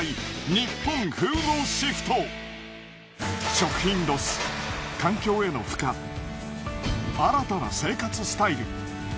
食品ロス環境への負荷新たな生活スタイル。